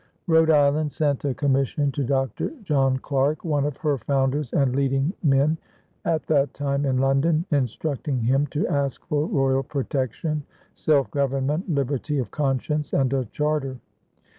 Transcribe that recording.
Rhode Island sent a commission to Dr. John Clarke, one of her founders and leading men, at that time in London, instructing him to ask for royal protection, self government, liberty of conscience, and a charter.